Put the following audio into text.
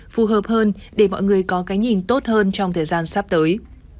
phù hợp hơn để mọi người có cái nhìn tốt hơn trong thời gian sắp tới